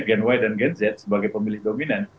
gen y dan gen z sebagai pemilih dominan